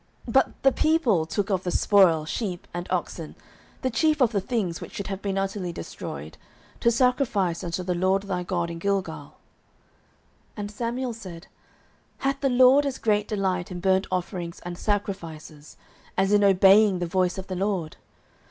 09:015:021 But the people took of the spoil, sheep and oxen, the chief of the things which should have been utterly destroyed, to sacrifice unto the LORD thy God in Gilgal. 09:015:022 And Samuel said, Hath the LORD as great delight in burnt offerings and sacrifices, as in obeying the voice of the LORD?